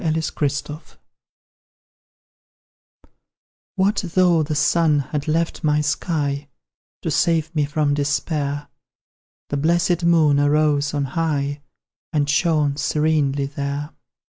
FLUCTUATIONS, What though the Sun had left my sky; To save me from despair The blessed Moon arose on high, And shone serenely there.